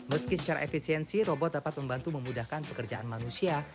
meski secara efisiensi robot dapat membantu memudahkan pekerjaan manusia